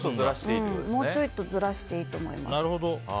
もうちょっとずらしていいと思います。